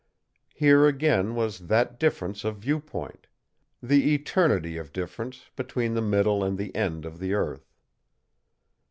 Here again was that difference of viewpoint the eternity of difference between the middle and the end of the earth.